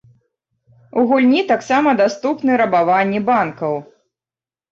У гульні таксама даступны рабаванні банкаў.